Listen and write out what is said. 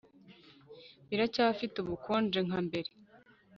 Biracyafite ubukonje nka mbere